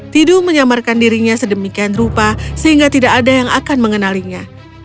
tidu menyamarkan dirinya sedemikian rupa sehingga tidak ada yang akan mengenalinya